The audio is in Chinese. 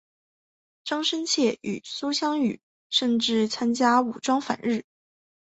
张深切与苏芗雨甚至参加武装反日。